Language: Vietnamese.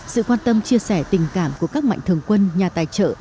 sự quan tâm chia sẻ tình cảm của các mạnh thường quân nhà tài trợ